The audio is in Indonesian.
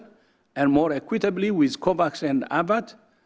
dan lebih berkualitas dengan covax dan avat